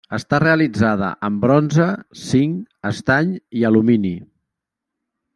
Està realitzada en bronze, zinc, estany i alumini.